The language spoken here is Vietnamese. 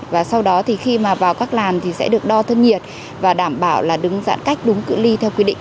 và sau đó thì khi mà vào các làn thì sẽ được đo thân nhiệt và đảm bảo là đứng giãn cách đúng cự ly theo quy định